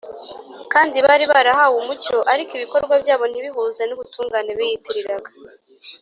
kandi bari barahawe umucyo ariko ibikorwa byabo ntibihuze n’ubutungane biyitiriraga